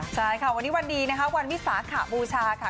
ใช่ค่ะวันนี้วันดีนะคะวันวิสาขบูชาค่ะ